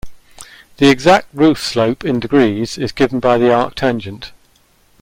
The exact roof slope in degrees is given by the arctangent.